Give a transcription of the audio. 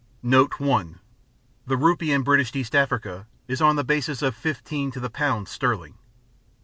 The rupee in British East Africa is on the basis of 15 to the pound sterling.